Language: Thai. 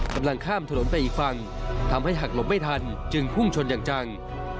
กำลังข้ามถนนไปอีกฝั่งทำให้หักหลบไม่ทันจึงพุ่งชนอย่างจัง